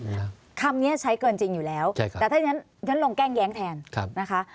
คำนี้ใช้เกินจริงอยู่แล้วแต่ถ้าอย่างนั้นลงแกล้งแย้งแทนนะคะ